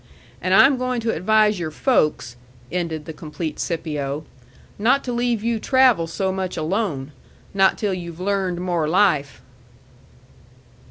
And I am goin' to advise your folks," ended the complete Scipio, "not to leave you travel so much alone not till you've learned more life."